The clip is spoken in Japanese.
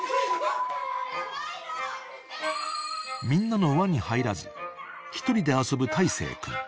［みんなの輪に入らず１人で遊ぶ大生君］